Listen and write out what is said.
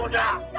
oh liz sudah